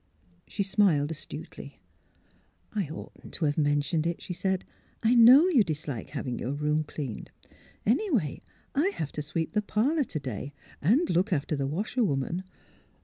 She smiled astutely. " I oughtn't to have mentioned it," she said. " I know you dislike having your room cleaned. Anyway, I have to sweep the parlour to day, and look after the washwoman."